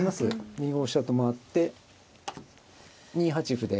２五飛車と回って２八歩で。